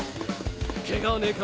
ケガはねえか？